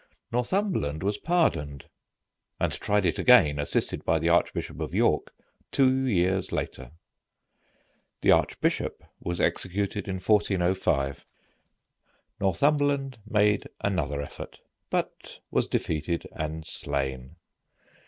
Northumberland was pardoned, and tried it again, assisted by the Archbishop of York, two years later. The archbishop was executed in 1405. Northumberland made another effort, but was defeated and slain.